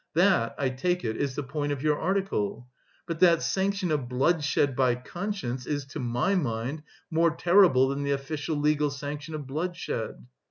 That, I take it, is the point of your article. But that sanction of bloodshed by conscience is to my mind... more terrible than the official, legal sanction of bloodshed...."